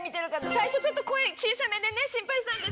最初ちょっと声小さめでね心配したんですけど。